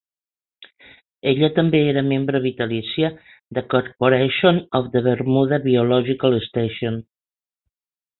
Ella també era membre vitalícia de Corporation of the Bermuda Biological Station.